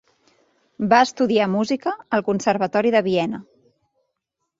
Va estudiar música al Conservatori de Viena.